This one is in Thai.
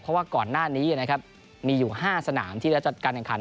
เพราะว่าก่อนหน้านี้นะครับมีอยู่๕สนามที่จะจัดการแข่งขัน